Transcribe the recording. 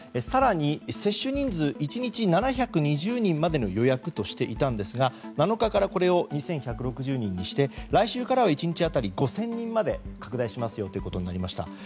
更に接種人数１日７２０人までの予約としていたんですが７日からこれを２１６０人にして来週からは１日当たり５０００人まで拡大することになりました。